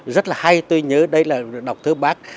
rất là hay tôi nhớ đây là đọc thơ bác